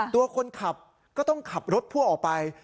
ตัวคนขับก็ต้องขับรถพ่วงออกไป